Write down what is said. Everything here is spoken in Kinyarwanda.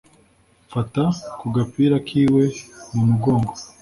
Mfata ku gapira k’iwe mu mugongo